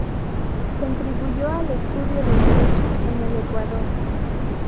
Contribuyó al estudio del derecho en el Ecuador.